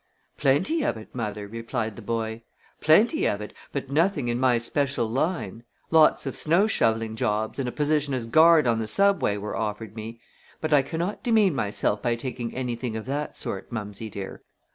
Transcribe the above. "Plenty of it, mother," replied the boy; "plenty of it, but nothing in my special line. Lots of snow shovelling jobs and a position as guard on the Subway were offered me, but I cannot demean myself by taking anything of that sort, Mummsy dear.